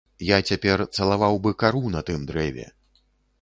Я цяпер цалаваў бы кару на тым дрэве.